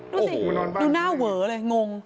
ดูสิดูหน้าเวอเลยงง